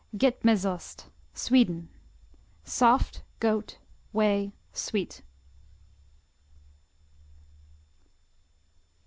Getmesost Sweden Soft; goat; whey; sweet.